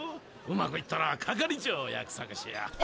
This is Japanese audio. うまくいったら「係長」を約束しよう。